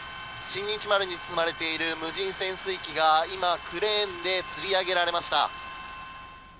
「新日丸」に積まれている無人潜水機が今、クレーンでつり上げられました。